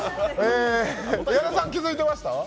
矢田さん、気付いてました？